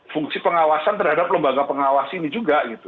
fungsi pengawasan terhadap lembaga pengawas ini juga gitu